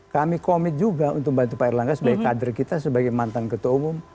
kami komit juga untuk bantu pak erlangga sebagai kader kita sebagai mantan ketua umum